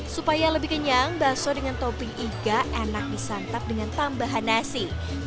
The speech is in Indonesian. supaya lebih kenyang bakso dengan topping iga enak disantap dengan tambahan nasi